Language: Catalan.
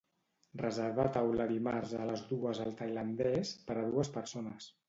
Reservar taula dimarts a les dues al tailandès per a dues persones.